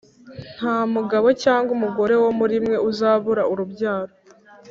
Nta mugabo cyangwa umugore wo muri mwe uzabura urubyaro,